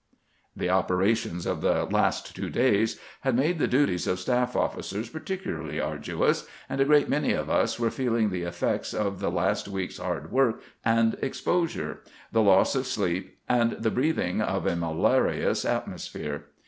The operations of the last two days had made the duties of staff ofl&cers particularly arduous, and a great many of us were feeling the effects of the last week's hard work and exposure, the loss of sleep, and the breathing of a malarious atmosphere.